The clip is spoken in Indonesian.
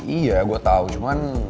iya gue tau cuman